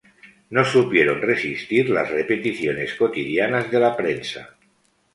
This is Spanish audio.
No supieron resistir las repeticiones cotidianas de la prensa.